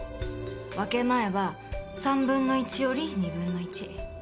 分け前は３分の１より２分の１。